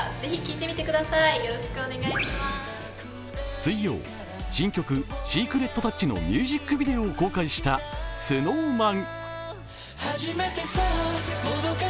水曜、新曲「ＳｅｃｒｅｔＴｏｕｃｈ」のミュージックビデオを公開したＳｎｏｗＭａｎ。